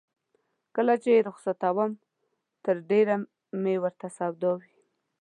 چې کله یې رخصتوم تر ډېره مې ورته سودا وي.